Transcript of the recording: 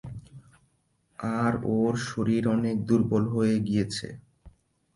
আর ওর শরীর অনেক দূর্বল হয়ে গিয়েছে।